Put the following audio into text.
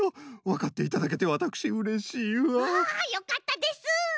わかっていただけてわたくしうれしいわ。わよかったです。